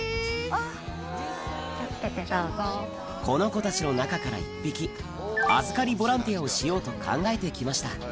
この子たちの中から１匹預かりボランティアをしようと考えて来ました